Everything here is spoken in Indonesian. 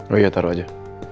oh iya taruh aja